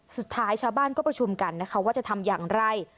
สุดท้ายชาวบ้านก็ประชุมกันนะคะว่าจะทำอย่างไร